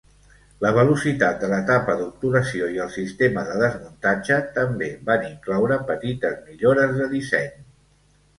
La velocitat de la tapa d'obturació i el sistema de desmuntatge també van incloure petites millores de disseny.